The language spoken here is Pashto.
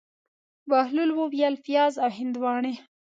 بهلول وویل: پیاز او هندواڼې.